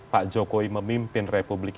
pak jokowi memimpin republik